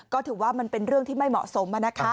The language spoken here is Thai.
ก็ถือว่ามันเป็นเรื่องที่ไม่เหมาะสม